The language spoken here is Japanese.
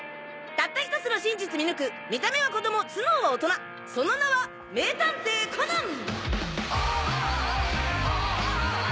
たった１つの真実見抜く見た目は子供頭脳は大人その名は名探偵コナン！